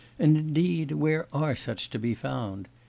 And, indeed, where are such to be found!